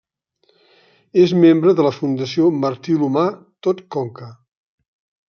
És membre de la fundació Martí l'Humà Tot Conca.